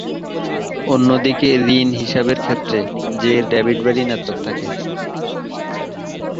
অন্যদিকে ঋণ হিসাবের ক্ষেত্রে জের ডেবিট বা ঋণাত্মক থাকে।